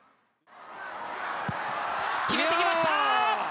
決めてきました！